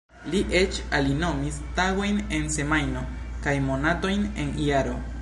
Li eĉ alinomis tagojn en semajno kaj monatojn en jaro.